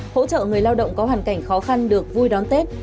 hỗ trợ người lao động có hoàn cảnh khó khăn được vui đón tết